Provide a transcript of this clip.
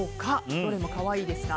どれも可愛いですが。